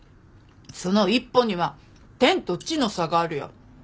その一歩には天と地の差があるよ。